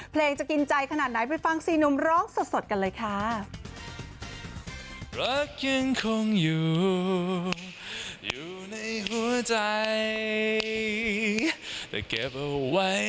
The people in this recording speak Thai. เพลงจะกินใจขนาดไหนไปฟังซีหนุ่มร้องสดกันเลยค่ะ